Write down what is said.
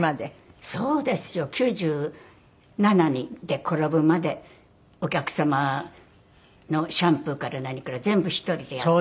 ９７で転ぶまでお客様のシャンプーから何から全部１人でやって。